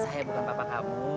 saya bukan papa kamu